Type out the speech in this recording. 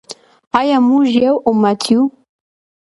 آیا موږ یو امت یو؟